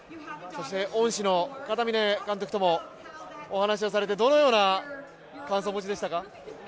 恩師の片峯監督ともお話をされて、どのような感想をお持ちでしたか？